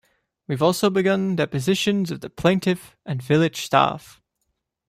We have also begun depositions of the Plaintiff and Village staff.